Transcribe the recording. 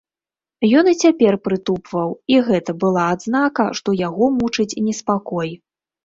Ён і цяпер прытупваў, і гэта была адзнака, што яго мучыць неспакой.